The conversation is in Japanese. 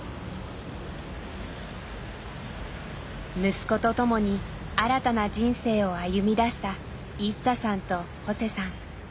息子と共に新たな人生を歩みだしたイッサさんとホセさん。